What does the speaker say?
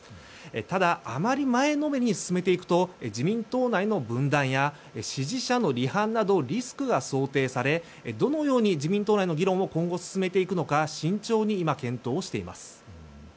ただ、あまり前のめりに進めていくと自民党内の分断や支持者の離反など、リスクが想定され、どのように自民党内の議論を今後進めていくのか慎重に今、検討しています。